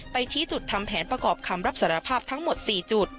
ชี้จุดทำแผนประกอบคำรับสารภาพทั้งหมด๔จุด